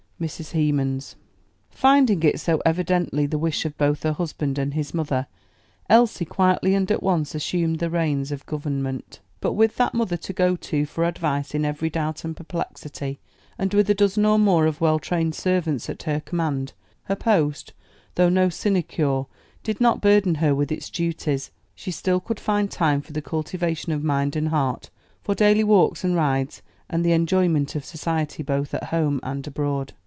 MRS. HEMANS. Finding it so evidently the wish of both her husband and his mother, Elsie quietly and at once assumed the reins of government. But with that mother to go to for advice in every doubt and perplexity, and with a dozen or more of well trained servants at her command, her post, though no sinecure, did not burden her with its duties; she still could find time for the cultivation of mind and heart, for daily walks and rides, and the enjoyment of society both at home and abroad.